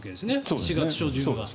７月初旬は。